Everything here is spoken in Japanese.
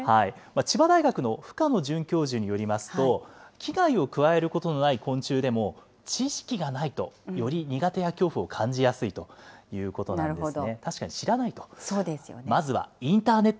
千葉大学の深野准教授によりますと、危害を加えることのない昆虫でも、知識がないとより苦手や恐怖を感じやすいということななるほど。